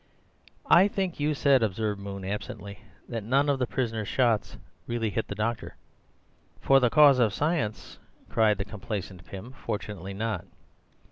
"I think you said," observed Moon absently, "that none of the prisoner's shots really hit the doctor." "For the cause of science," cried the complacent Pym, "fortunately not."